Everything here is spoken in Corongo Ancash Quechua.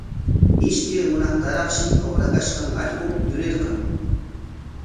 Ishkay hunaqtaraqshi uqrakashqan allqun yurirqan.